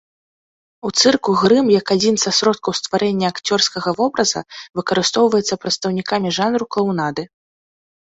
У цырку грым як адзін са сродкаў стварэння акцёрскага вобраза выкарыстоўваецца прадстаўнікамі жанру клаунады.